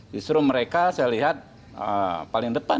justru mereka saya lihat paling depan